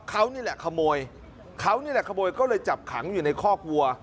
เขานี่แหละขโมยเขานี่แหละขโมยก็เลยจับขังอยู่ในคอกวัว